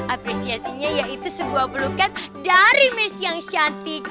apresiasinya yaitu sebuah pelukan dari misi yang cantik